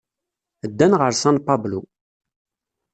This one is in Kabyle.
Ddan ɣer San Pablo.